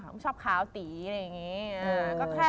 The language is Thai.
ผมชอบขาวตีอะไรอย่างนี้